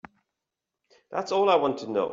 That's all I want to know.